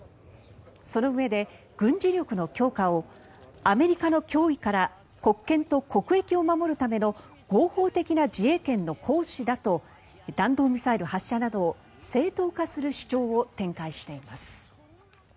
そのうえで、軍事力の強化をアメリカの脅威から国権と国益を守るための合法的な自衛権の行使だと弾道ミサイル発射などを正当化する主張を展開しています。